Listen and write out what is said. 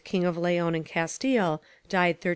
king of Leon and Castile, died 1350.